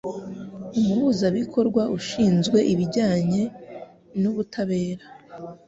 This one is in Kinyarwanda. Umuhuzabikorwa ushinzwe Ibijyanye n'Ubutabera